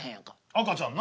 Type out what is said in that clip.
赤ちゃんな。